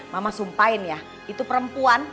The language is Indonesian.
mama sumpahin ya itu perempuan